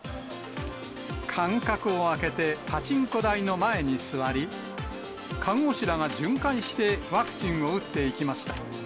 間隔を空けて、パチンコ台の前に座り、看護師らが巡回して、ワクチンを打っていきました。